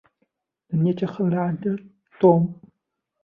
لن يتخلى عنك توم.